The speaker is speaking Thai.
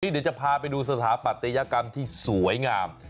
เดี๋ยวจะพาไปดูสถาปัตยกรรมที่สวยงาม